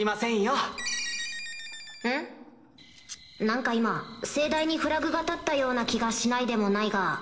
何か今盛大にフラグが立ったような気がしないでもないが